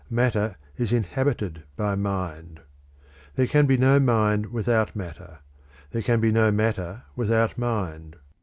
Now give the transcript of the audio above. Matter is inhabited by mind. There can be no mind without matter; there can be no matter without mind.